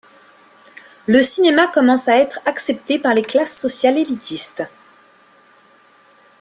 Le cinéma commence à être accepté par les classes sociales élitistes.